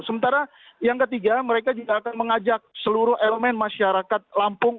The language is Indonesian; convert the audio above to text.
sementara yang ketiga mereka juga akan mengajak seluruh elemen masyarakat lampung